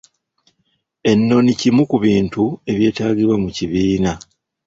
Ennoni kimu ku bintu ebyetaagibwa mu kibiina.